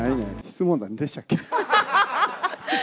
質問なんでしたっけ？